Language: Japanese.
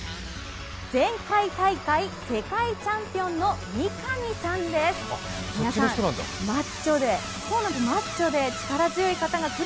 前回大会世界チャンピオンの三上さんです。